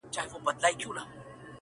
• شکر وباسمه خدای ته په سجده سم..